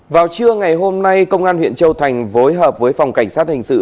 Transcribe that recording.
vào trưa ngày hôm nay công an huyện châu thành phối hợp với phòng cảnh sát hình sự